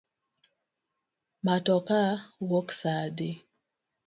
Matoka wuok sa adi?